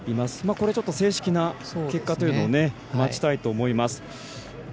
これ、正式な結果というのを待ちたいと思います。